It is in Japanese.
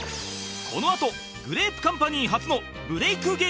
このあとグレープカンパニー初のブレイク